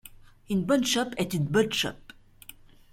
Une bonne chope est une bonne chope…